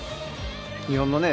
日本のね